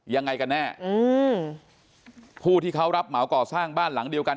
ยังไงกันแน่อืมผู้ที่เขารับเหมาก่อสร้างบ้านหลังเดียวกัน